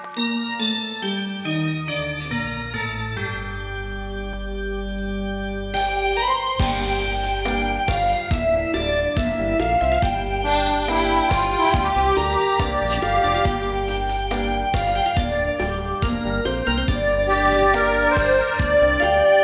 มคทราบฝังทรัพย์